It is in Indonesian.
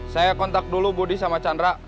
saya kontak dulu budi sama chandra